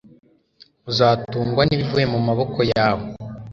uzatungwa n'ibivuye mu maboko yawe